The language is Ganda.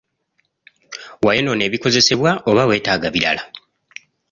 Wayonoona ebikozesebwa oba weetaaga birala?